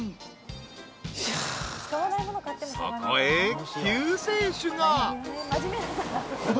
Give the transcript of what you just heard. ［そこへ救世主が］